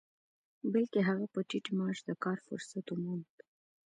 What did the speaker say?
بلکې هغه په ټيټ معاش د کار فرصت وموند.